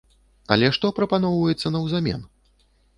Але што прапаноўваецца наўзамен?